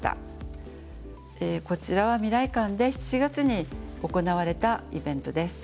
こちらは未来館で７月に行われたイベントです。